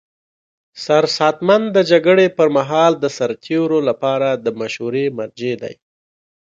سرساتنمن د جګړې پر مهال د سرتیرو لپاره د مشورې مرجع دی.